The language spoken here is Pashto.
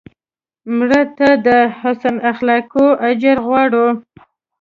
مړه ته د حسن اخلاقو اجر غواړو